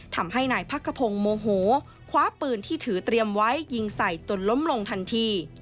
ทำให้นายพักขพงศ์โมโหคว้าปืนที่ถือเตรียมไว้ยิงใส่จนล้มลงทันที